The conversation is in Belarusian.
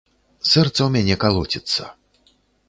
Сэрца ў мяне калоціцца.